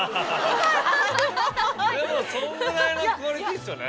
でもそんぐらいのクオリティーですよね。